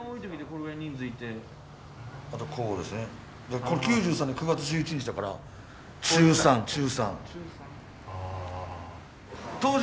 これ９３年の９月１１日だから中３中３。